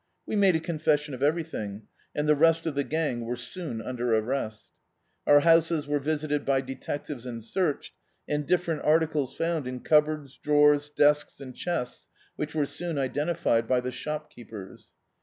We made a confession of everything, and the rest of the gang were socm im der arrest. Our houses were visited by detectives and searched, and different articles found in cup boards, drawers, desks, and chests which were soon identified by the shopkeepers.